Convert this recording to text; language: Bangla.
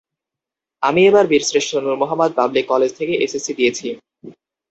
আমি এবার বীরশ্রেষ্ঠ নূর মোহাম্মদ পাবলিক কলেজ থেকে এসএসসি দিয়েছি।